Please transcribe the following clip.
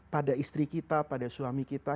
pada istri kita pada suami kita